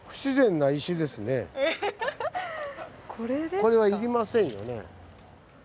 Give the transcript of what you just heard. これは要りませんよね。